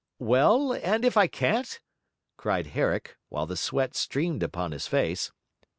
'Well, and if I can't?' cried Herrick, while the sweat streamed upon his face.